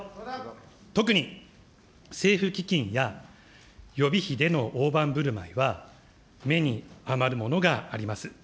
特に政府基金や予備費での大盤ぶるまいは目に余るものがあります。